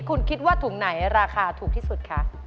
คุณคิดว่าถุงไหนราคาถูกที่สุดคะ